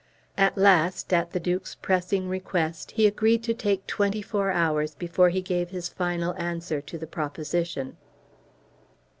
At last, at the Duke's pressing request, he agreed to take twenty four hours before he gave his final answer to the proposition.